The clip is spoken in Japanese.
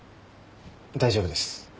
大丈夫です。